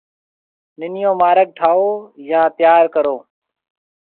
نئيون مارگ ٺاهيَو يان تيار ڪرو۔